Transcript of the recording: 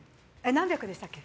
何百でしたっけ？